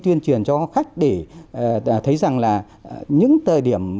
tuyên truyền cho khách để thấy rằng là những thời điểm